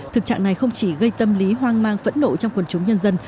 thực trạng này không chỉ gây tâm lý hoang mang phẫn nộ trong quần chúng nhân dân